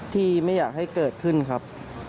ไม่อยากให้เกิดขึ้นครับ